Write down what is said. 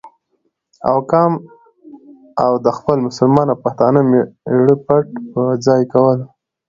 او کام او د خپل مسلمان او پښتانه مېـړه پت په ځای کول،